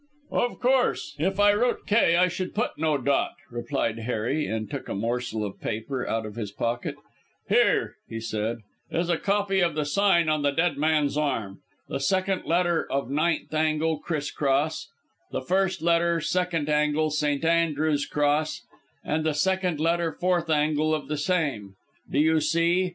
"Of course. If I wrote 'K' I should put no dot," replied Harry, and took a morsel of paper out of his pocket. "Here," said he, "is a copy of the sign on the dead man's arm. The second letter of ninth angle criss cross: the first letter second angle St. Andrew's cross, and the second letter fourth angle of the same. Do you see?